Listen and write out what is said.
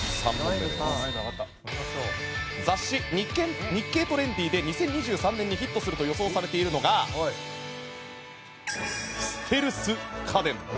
雑誌「日経トレンディ」で２０２３年にヒットすると予想されているのがステルス家電。